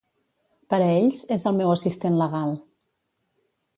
Per a ells, és el meu assistent legal.